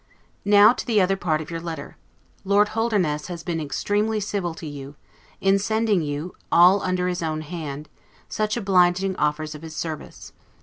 Now to the other part of your letter. Lord Holdernesse has been extremely civil to you, in sending you, all under his own hand, such obliging offers of his service.